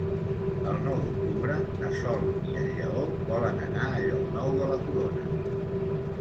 El nou d'octubre na Sol i en Lleó volen anar a Llocnou de la Corona.